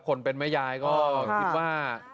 คนเป็นแม่ยายก็คิดว่า